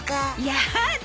やだ